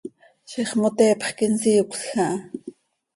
¡Ziix moteepx quih insiicösj aha!